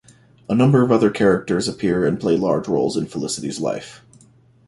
A number of other characters appear and play large roles in Felicity's life.